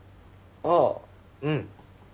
ああうん。